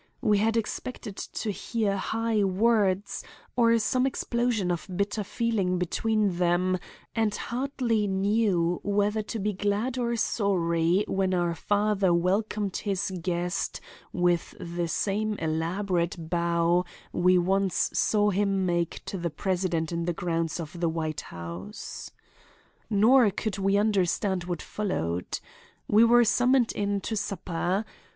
We had expected to hear high words, or some explosion of bitter feeling between them, and hardly knew whether to be glad or sorry when our father welcomed his guest with the same elaborate bow we once saw him make to the president in the grounds of the White House. Nor could we understand what followed. We were summoned in to supper.